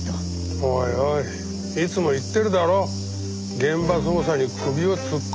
おいおいいつも言ってるだろ現場捜査に首を突っ込むなって。